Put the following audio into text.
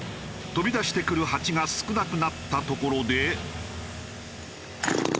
飛び出してくるハチが少なくなったところで。